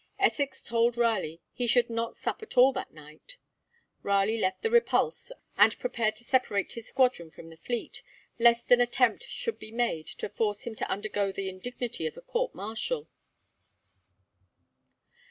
Essex told Raleigh he should not sup at all that night. Raleigh left the 'Repulse,' and prepared to separate his squadron from the fleet, lest an attempt should be made to force him to undergo the indignity of a court martial.